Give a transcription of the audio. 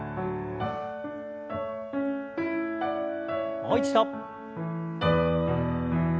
もう一度。